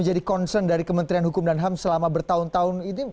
jadi concern dari kementerian hukum dan ham selama bertahun tahun ini